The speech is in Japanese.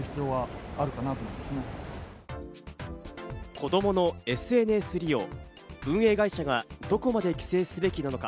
子供のＳＮＳ利用、運営会社はどこまで規制すべきなのか？